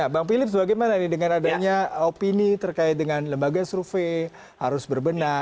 bang philips bagaimana dengan adanya opini terkait dengan lembaga survei harus berbenah